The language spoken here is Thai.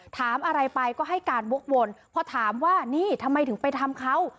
ถามอะไรไปก็ให้การวกวนพอถามว่านี่ทำไมถึงไปทำเขา